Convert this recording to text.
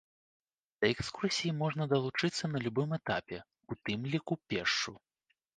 Да экскурсіі можна далучыцца на любым этапе, у тым ліку пешшу.